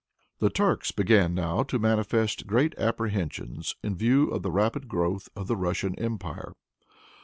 The Turks began now to manifest great apprehensions in view of the rapid growth of the Russian empire.